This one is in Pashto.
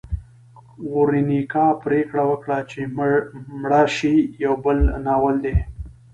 ورونیکا پریکړه وکړه چې مړه شي یو بل ناول دی.